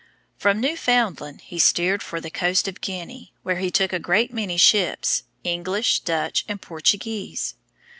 From Newfoundland he steered for the coast of Guinea, where he took a great many ships, English, Dutch and Portuguese.